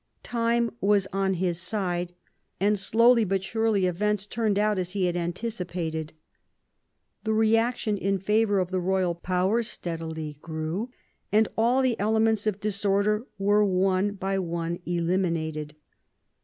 Time was on his side, and slowly but surely events turned out as he had anticipated. The reaction in favour of the royal power steadily grew, and all the elements of disorder were one by one eliminated.